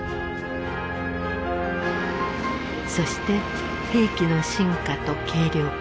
そして兵器の進化と軽量化。